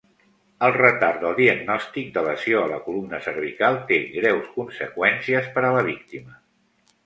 El retard del diagnòstic de lesió a la columna cervical té greus conseqüències per a la víctima.